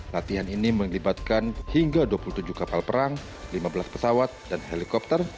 latihan ini melibatkan hingga dua puluh tujuh kapal perang lima belas pesawat dan helikopter